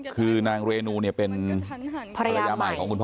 คือนางเรนูเป็นพรยาหมายของคุณพ่อ